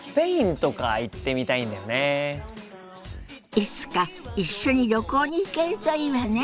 いつか一緒に旅行に行けるといいわね。